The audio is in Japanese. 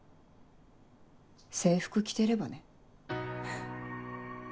制服着てればね。